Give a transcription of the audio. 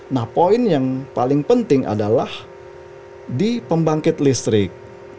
nah poin yang paling penting adalah di pembangkit listrik